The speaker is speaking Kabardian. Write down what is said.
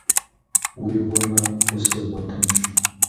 Уи гъуэмэ, гъусэ бгъуэтынщ.